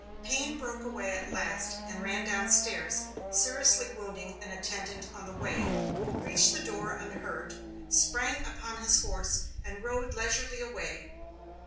Payne broke away at last, and ran down stairs, seriously wounding an attendant on the way, reached the door unhurt, sprang upon his horse, and rode leisurely away.